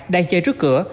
đang chơi trước cửa